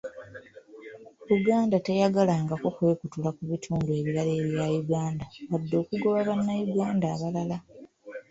Buganda teyagalangako kwekutula ku bitundu ebirala ebya Uganda, wadde okugoba bannayuganda abalala.